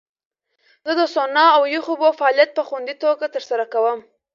زه د سونا او یخو اوبو فعالیت په خوندي توګه ترسره کوم.